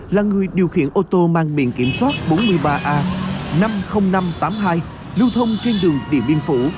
là người điều khiển ô tô mang biển kiểm soát bốn mươi ba a năm mươi nghìn năm trăm tám mươi hai lưu thông trên đường điện biên phủ